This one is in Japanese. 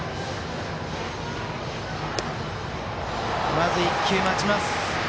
まず１球、待ちます。